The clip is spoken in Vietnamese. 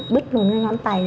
bích luôn cái ngón tay